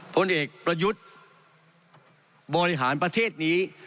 ผลเอกประยุทธ์บริหารประเทศนี้